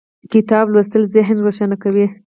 کتاب لوستل ذهن روښانه کوي